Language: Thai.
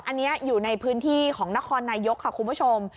อันนี้อยู่ในพื้นที่ของนครนายกค่ะคุณผู้ชม